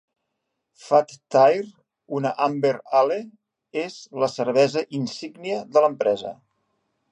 Fat Tire, una amber ale, és la cervesa insígnia de l'empresa.